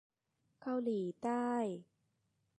เกาหลีใต้